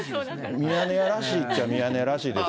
ミヤネ屋らしいっちゃミヤネ屋らしいですよ。